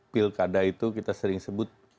pil kada itu kita sering sebut